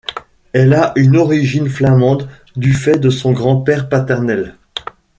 Elle a une origine flamande du fait de son grand-père paternel.